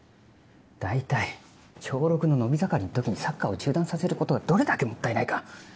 大体小６の伸び盛りの時にサッカーを中断させることがどれだけもったいないか。